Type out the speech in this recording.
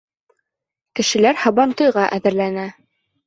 Кешеләр һабантуйға әҙерләнә.